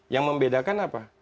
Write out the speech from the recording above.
yang membedakan apa